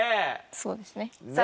そうですね。